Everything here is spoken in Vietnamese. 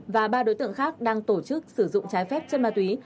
và ba đối tượng khác đang tổ chức sử dụng trái phép chất ma túy